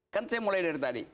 kan saya mulai dari tadi